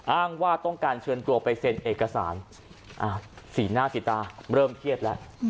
อ้างว่าต้องการเชิญตัวไปเซ็นเอกสารสีหน้าสีตาเริ่มเครียดแล้ว